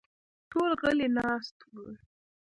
ټول غلي ناست وو.